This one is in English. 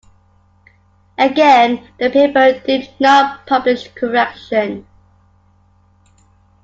Again, the paper did not publish a correction.